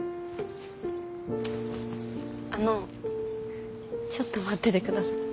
あのちょっと待ってて下さい。